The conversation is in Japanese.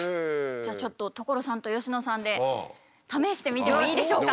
じゃあちょっと所さんと佳乃さんで試してみてもいいでしょうか？